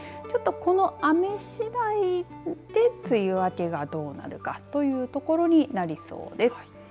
ちょっと、この雨しだいで梅雨明けがどうなるかというところになりそうです。